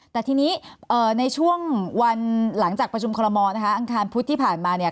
แต่ทีนี้ในช่วงวันหลังจากประชุมคอลโมนะคะอังคารพุธที่ผ่านมาเนี่ย